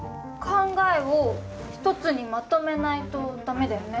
考えを１つにまとめないと駄目だよね。